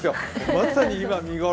まさに今、見頃。